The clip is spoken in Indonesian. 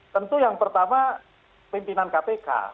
tentu yang pertama pimpinan kpk